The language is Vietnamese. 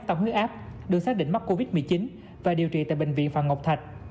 tăng huyết áp được xác định mắc covid một mươi chín và điều trị tại bệnh viện phạm ngọc thạch